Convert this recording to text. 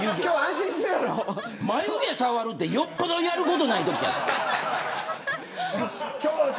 眉毛触るって、よっぽどやることないときや。